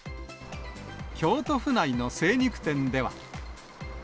京都府内の精肉店では。